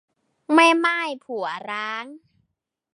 แม่ม่ายผัวร้าง